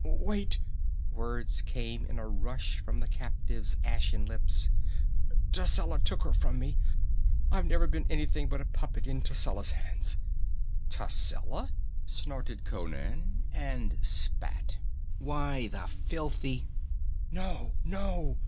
"Wait!" Words came in a rush from the captive's ashy lips. "Tascela took her from me. I've never been anything but a puppet in Tascela's hands." "Tascela?" snorted Conan, and spat. "Why, the filthy " "No, no!"